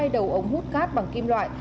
hai đầu ống hút cát bằng kim loại